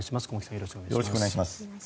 よろしくお願いします。